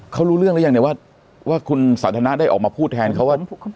เขารู้เรื่องรึยังเนี่ยว่าว่าคุณสาธารณะได้ออกมาพูดแทนเขาว่า